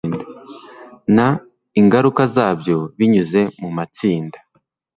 n ingaruka zabyo binyuze mu matsinda